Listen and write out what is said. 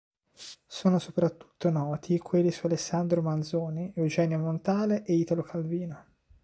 Sono soprattutto noti quelli su Alessandro Manzoni, Eugenio Montale e Italo Calvino.